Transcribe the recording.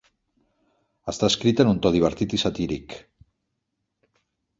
Està escrita en un to divertit i satíric.